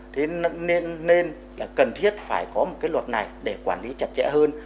thế nên là cần thiết phải có một cái luật này để quản lý chặt chẽ hơn